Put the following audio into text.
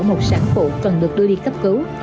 một sản phụ cần được đưa đi cấp cứu